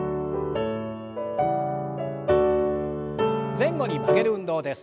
前後に曲げる運動です。